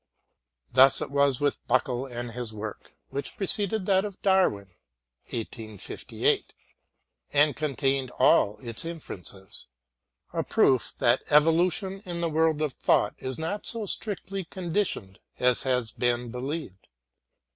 Thus it was with Buckle and his work, which preceded that of Darwin (1858) and contained all its inferences a proof that evolution in the world of thought is not so strictly conditioned as has been believed.